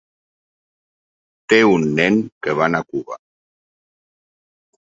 Té un nen que va anar a Cuba.